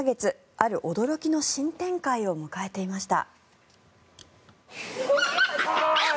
ある驚きの新展開を迎えていました。